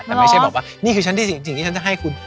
แต่ไม่ใช่บอกว่านี่คือสิ่งที่ฉันจะให้คุณ